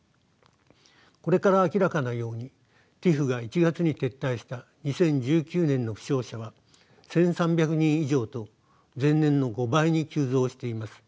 これから明らかなようにＴＩＰＨが１月に撤退した２０１９年の負傷者は１，３００人以上と前年の５倍に急増しています。